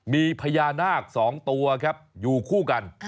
มีพญานาค๒ตัวครับอยู่คู่กัน